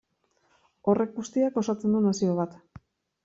Horrek guztiak osatzen du nazio bat.